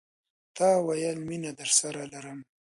تا ویل، میینه درسره لرم